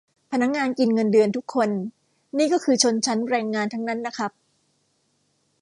พนักงานกินเงินเดือนทุกคนนี่ก็คือชนชั้นแรงงานทั้งนั้นนะครับ